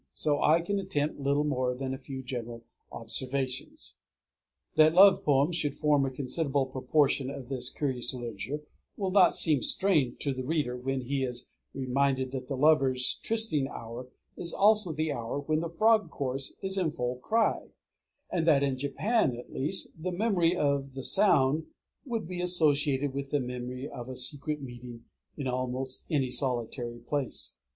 So I can attempt little more than a few general observations. That love poems should form a considerable proportion of this curious literature will not seem strange to the reader when he is reminded that the lovers' trysting hour is also the hour when the frog chorus is in full cry, and that, in Japan at least, the memory of the sound would be associated with the memory of a secret meeting in almost any solitary place.